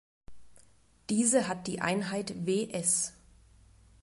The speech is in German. Diese hat die Einheit Ws.